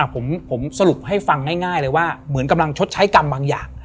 ผมสรุปให้ฟังง่ายเลยว่าเหมือนกำลังชดใช้กรรมบางอย่าง